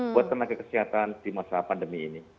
buat tenaga kesehatan di masa pandemi ini